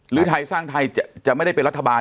หรือไทยสร้างไทยจะไม่ได้เป็นรัฐบาล